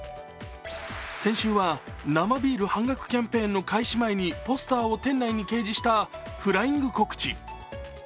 先週は生ビール半額キャンペーンの開始前にポスターを店内に掲示したフライング告知。